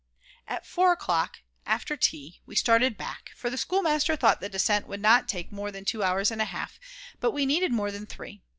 At 4 o'clock, after tea, we started back, for the schoolmaster thought the descent would not take more than two hours and a half, but we needed more than three.